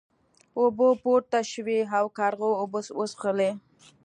اوبه پورته شوې او کارغه اوبه وڅښلې.